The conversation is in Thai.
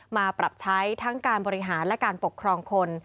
มาปรับใช้ทั้งการบริหารและการปกครองคน